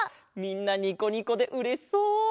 みんなニコニコでうれしそう！